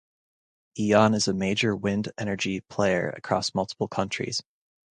Eon is a major wind energy player across multiple countries.